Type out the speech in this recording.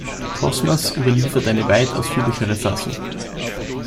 Cosmas überliefert eine weit ausführlichere Fassung.